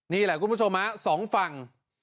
นี่แหละคุณผู้ชมฮะสองฝั่ง